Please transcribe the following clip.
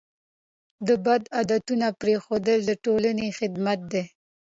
د بد عادتونو پرېښودل د ټولنې خدمت دی.